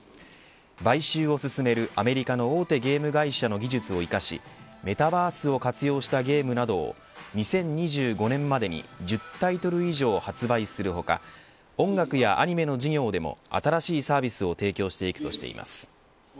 買収を進めるアメリカの大手ゲーム会社の技術を生かしメタバースを活用したゲームなどを２０２５年までに１０タイトル以上発売する他音楽やアニメの事業でも新しいサービスを提供していくとしています。